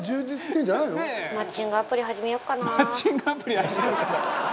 「“マッチングアプリ始めようかな”？」